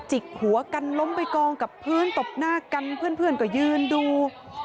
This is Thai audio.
กหัวกันล้มไปกองกับพื้นตบหน้ากันเพื่อนก็ยืนดู